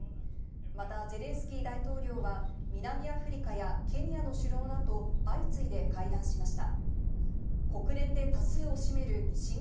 またゼレンスキー大統領は、南アフリカやケニアの首脳らと相次いで会談しました。